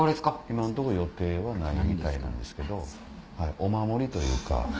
今のとこ予定はないみたいなんですけどお守りというか。